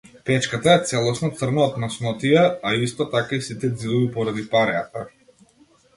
Печката е целосно црна од маснотија, а исто така и сите ѕидови поради пареата.